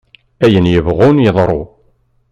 Ayen yebɣun yeḍru!